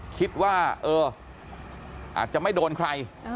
คิดว่าเอออาจจะไม่โดนใคร